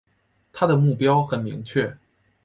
他的目标很明确